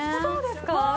そうですか。